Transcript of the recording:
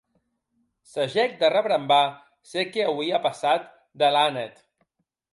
Sagèc de rebrembar se qué auie passat delànet.